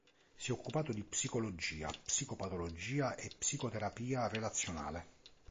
Si è occupato di psicologia, psicopatologia e psicoterapia relazionale.